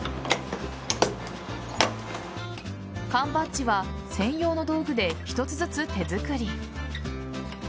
缶バッジは専用の道具で一つずつ手作り。